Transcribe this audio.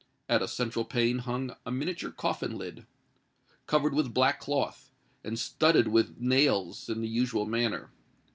At a central pane hung a miniature coffin lid, covered with black cloth, and studded with nails in the usual manner.